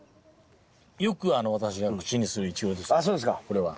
よく私が口にするイチゴですねこれは。